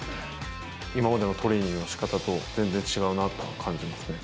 今までのトレーニングのしかたと全然違うなと感じますね。